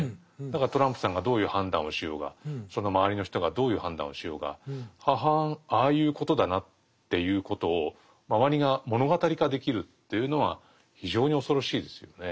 だからトランプさんがどういう判断をしようがその周りの人がどういう判断をしようが「ははんああいうことだな」っていうことを周りが物語化できるというのは非常に恐ろしいですよね。